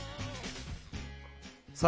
さあ！